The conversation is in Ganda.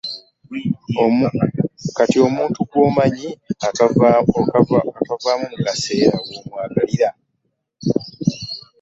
Kati n'omuntu gw'omanyi akavaamu mu kaseera w'omwagalira.